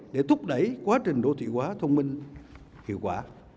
để thúc đẩy quá trình đô thị hóa thông minh hiệu quả